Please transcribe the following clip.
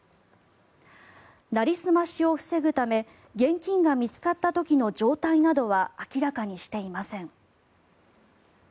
なりすましを防ぐため現金が見つかった時の状態などは明らかにしていません。